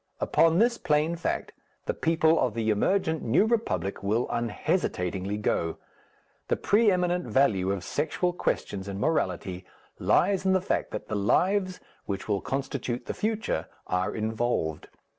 Upon this plain fact the people of the emergent New Republic will unhesitatingly go. The pre eminent value of sexual questions in morality lies in the fact that the lives which will constitute the future are involved.